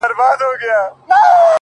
• کلونه کيږي چي ولاړه يې روانه نه يې؛